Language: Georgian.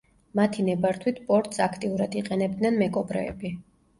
მათი ნებართვით პორტს აქტიურად იყენებდნენ მეკობრეები.